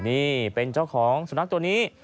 นี่เป็นเจ้าของสุนัขตัวนี้